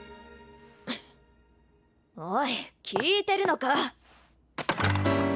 おい聞いてるのか？